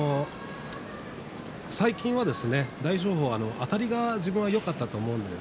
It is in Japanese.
最近は大翔鵬、あたりが自分はよかったと思うんです。